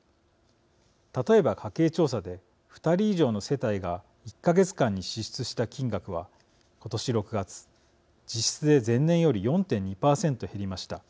例えば、家計調査で２人以上の世帯が１か月間に支出した金額は今年６月実質で前年より４．２％減りました。